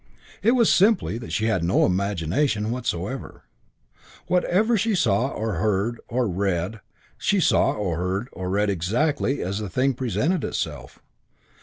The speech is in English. It was simply that she had no imagination whatsoever. Whatever she saw or heard or read, she saw or heard or read exactly as the thing presented itself.